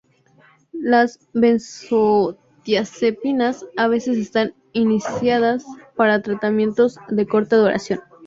Las benzodiazepinas a veces están indicadas para tratamientos de corta duración.